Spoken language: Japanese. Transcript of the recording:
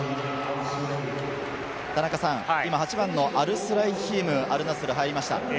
８番のアルスライヒーム、アルナスル入りました。